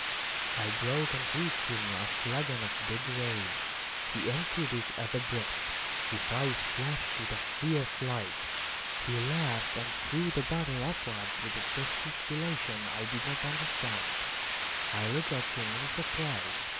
I broke and reached him a flagon of De Grâve. He emptied it at a breath. His eyes flashed with a fierce light. He laughed and threw the bottle upwards with a gesticulation I did not understand. I looked at him in surprise.